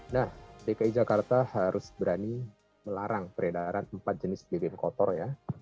nah dki jakarta harus berani melarang peredaran empat jenis bbm kotor ya